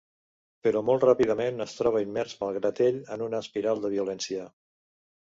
Però molt ràpidament es troba immers malgrat ell en una espiral de violència.